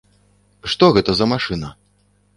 Што гэта за машына?